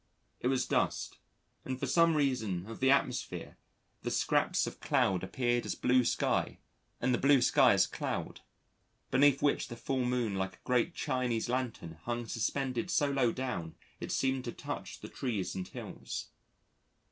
It was dusk, and for some reason of the atmosphere the scraps of cloud appeared as blue sky and the blue sky as cloud, beneath which the full moon like a great Chinese lantern hung suspended so low down it seemed to touch the trees and hills.